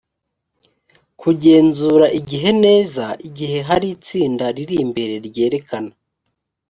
kugenzura igihe neza igihe hari itsinda riri imbere ryerekana